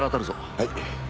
はい。